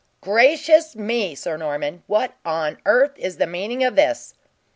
"Gracious me, Sir Norman! What on earth is the meaning of this?"